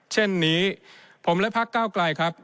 เช่นนี้ผมและพักเก้าไกลครับ